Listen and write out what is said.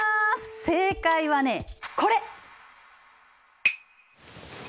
正解はねこれ！